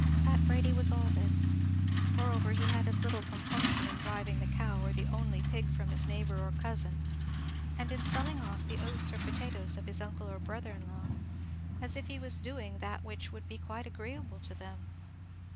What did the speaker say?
Pat Brady was all this; moreover, he had as little compunction in driving the cow or the only pig from his neighbour or cousin, and in selling off the oats or potatoes of his uncle or brother in law, as if he was doing that which would be quite agreeable to them.